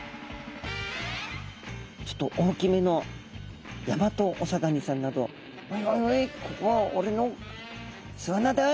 ちょっと大きめのヤマトオサガニさんなど「おいおいおい！